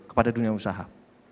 kepada dunia usaha